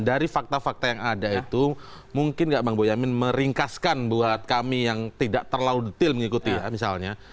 dari fakta fakta yang ada itu mungkin nggak bang boyamin meringkaskan buat kami yang tidak terlalu detail mengikuti ya misalnya